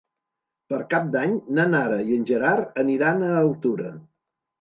Per Cap d'Any na Nara i en Gerard aniran a Altura.